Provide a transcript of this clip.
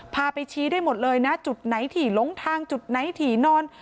พาไปชี้ได้หมดเลยนะจุดไหนถี่หลงทางจุดไหนถี่นอน